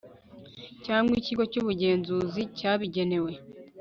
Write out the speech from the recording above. cyangwa ikigo cy ubugenzuzi cyabigenewe